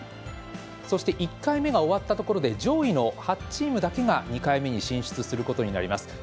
そして１回目が終わったところで上位の８チームだけが２回目に進出することになります。